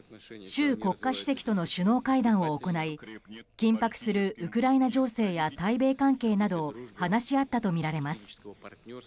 習国家主席との首脳会談を行い緊迫するウクライナ情勢や対米関係などを話し合ったとみられます。